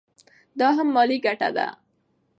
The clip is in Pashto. دا هم مالي ګټه ده.